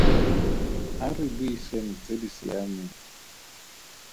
A re buiseng tse di siameng.